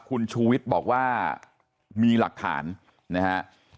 คุณชูวิทย์บอกว่ามีหลักฐานนะฮะ